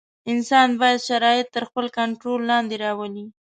انسان باید شرایط تر خپل کنټرول لاندې راولي.